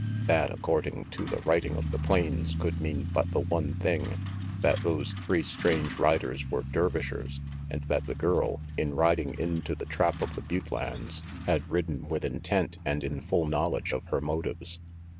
That, according to the writing of the plains, could mean but the one thing that those three strange riders were Dervishers, and that the girl, in riding into the trap of the butte lands, had ridden with intent and in full knowledge of her motives.